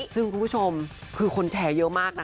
ซึ่งคุณผู้ชมคือคนแชร์เยอะมากนะคะ